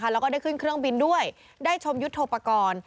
แล้วก็ได้ขึ้นเครื่องบินด้วยได้ชมยุทธโปรกรณ์